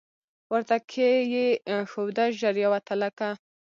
ورته کښې یې ښوده ژر یوه تلکه